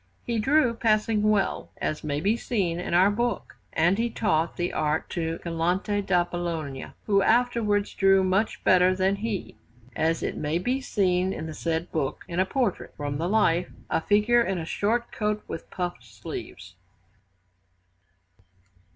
He drew passing well, as it may be seen in our book; and he taught the art to M. Galante da Bologna, who afterwards drew much better than he, as it may be seen in the said book, in a portrait from the life, a figure in a short coat with puffed sleeves.